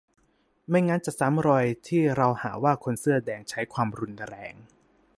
ไม่งั้นจะซ้ำรอยที่เราหาว่าคนเสื้อแดงใช้ความรุนแรง